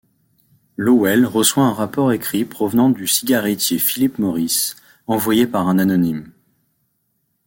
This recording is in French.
Lowell reçoit un rapport écrit provenant du cigarettier Philip Morris, envoyé par un anonyme.